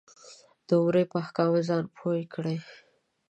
د عمرې په احکامو ځان پوی کړې.